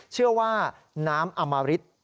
เชื่อว่าน้ำอำมาริษฐ์